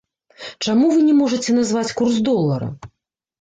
Чаму вы не можаце назваць курс долара?